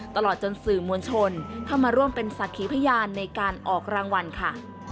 ตลอดจนสื่อมวลชนเข้ามาร่วมเป็นศักดิ์ขีพยานในการออกรางวัลค่ะ